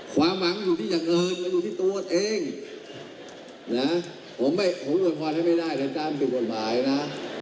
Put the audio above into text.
ความหวังอยู่ที่อย่างเอิญอยู่ที่ตัวเองนะผมไม่ผมหลวนความให้ไม่ได้แต่ตามเป็นบทภายนะ